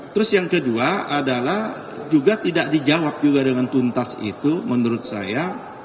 terus yang kedua adalah juga tidak dijawab juga dengan tuntas itu menurut saya